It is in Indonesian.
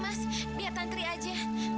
apalagi melihatmu berkembang dengan tantri